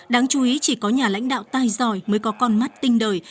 đáng chú ý chỉ có nhà lãnh đạo tài giỏi mới có con mắt tinh đời